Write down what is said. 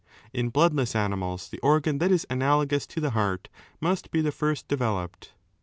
In bloodless animals the organ that is analogous to the heart must be the first de veloped.